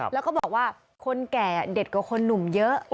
แล้วก็บอกว่าคนแก่เด็ดกว่าคนหนุ่มเยอะ